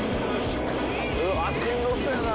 あっしんどそうやな。